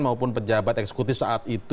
maupun pejabat eksekutif saat itu